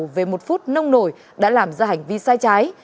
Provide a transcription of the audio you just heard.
về một phút nông nổi đã làm ra hành vi sai trái